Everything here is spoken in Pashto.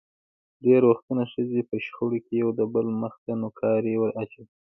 ډېری وختونه ښځې په شخړو کې یو دبل مخ ته نوکارې ور اچوي.